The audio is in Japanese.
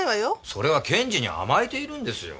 それは検事に甘えているんですよ。